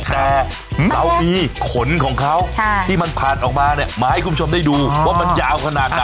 แต่เรามีขนของเขาที่มันผ่านออกมาเนี่ยมาให้คุณผู้ชมได้ดูว่ามันยาวขนาดไหน